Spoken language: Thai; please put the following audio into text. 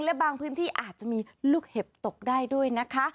และบางพื้นที่อาจจะมีลูกเห็บตกได้ด้วยนะคะ